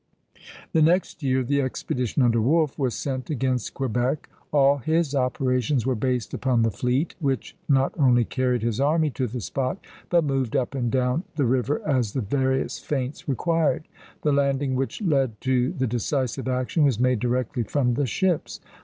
The next year the expedition under Wolfe was sent against Quebec. All his operations were based upon the fleet, which not only carried his army to the spot, but moved up and down the river as the various feints required. The landing which led to the decisive action was made directly from the ships.